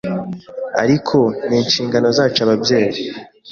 ariko ni inshingano zacu ababyeyi